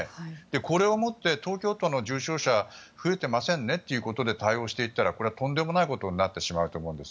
これをもって東京都の重症者は増えていませんねということで対応していったらこれはとんでもないことになってしまうと思うんです。